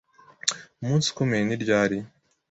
Umunsi ukomeye ni ryari?